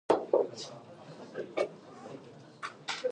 So far there has been no confirmation about the presence a substellar object.